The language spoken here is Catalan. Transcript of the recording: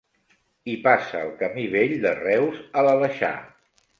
Hi passa el camí Vell de Reus a l'Aleixar.